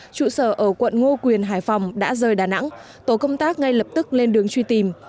trụ sở ở quận ngô quyền hải phòng đã rời đà nẵng tổ công tác ngay lập tức lên đường truy tìm